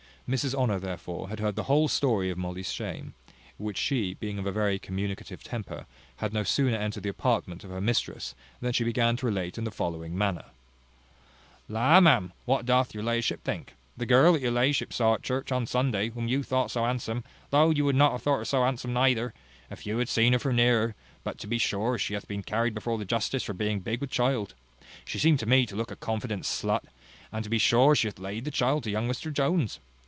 Mrs Honour, therefore, had heard the whole story of Molly's shame; which she, being of a very communicative temper, had no sooner entered the apartment of her mistress, than she began to relate in the following manner: "La, ma'am, what doth your la'ship think? the girl that your la'ship saw at church on Sunday, whom you thought so handsome; though you would not have thought her so handsome neither, if you had seen her nearer, but to be sure she hath been carried before the justice for being big with child. She seemed to me to look like a confident slut: and to be sure she hath laid the child to young Mr Jones.